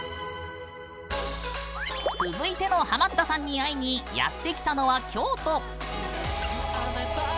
続いてのハマったさんに会いにやってきたのは、京都。